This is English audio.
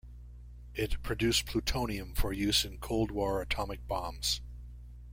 It produced plutonium for use in cold war atomic bombs.